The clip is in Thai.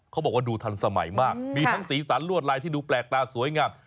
เขาบอกว่าดูทันสมัยมากมีทั้งสีสันลวดลายที่ดูแปลกตาสวยงาม